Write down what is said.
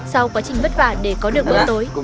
sau quá trình vất vả để có được bữa tối